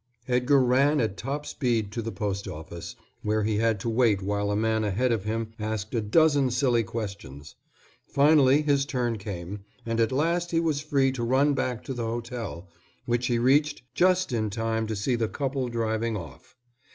Edgar ran at top speed to the post office, where he had to wait while a man ahead of him asked a dozen silly questions. Finally his turn came, and at last he was free to run back to the hotel, which he reached just in time to see the couple driving off.